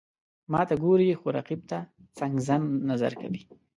ماته ګوري، خو رقیب ته څنګزن نظر کوي.